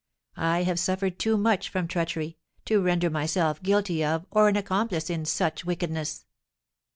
I have suffered too much from treachery, to render myself guilty of, or an accomplice in, such wickedness!"